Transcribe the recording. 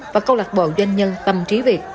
và câu lạc bộ doanh nhân tầm trí việt